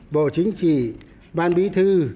bộ chính trị ban bí thư